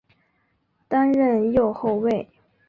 担任右后卫。